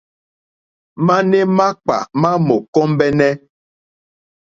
Mane makpà ma mò kombεnε.